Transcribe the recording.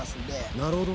なるほどね。